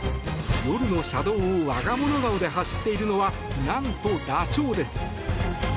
夜の車道を我が物顔で走っているのは何と、ダチョウです。